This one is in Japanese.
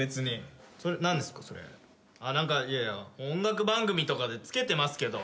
音楽番組とかで着けてますけど。